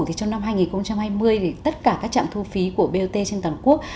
trong năm hai nghìn hai mươi tất cả các trạm thu phí của bot trên toàn quốc